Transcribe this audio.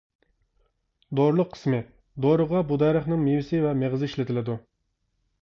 دورىلىق قىسمى دورىغا بۇ دەرەخنىڭ مېۋىسى ۋە مېغىزى ئىشلىتىلىدۇ.